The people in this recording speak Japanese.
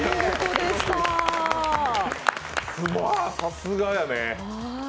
さすがやね。